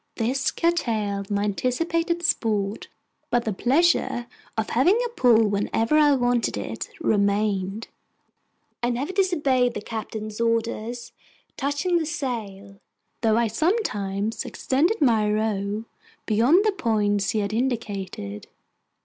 This curtailed my anticipated sport, but the pleasure of having a pull whenever I wanted it remained. I never disobeyed the Captain's orders touching the sail, though I sometimes extended my row beyond the points he had indicated.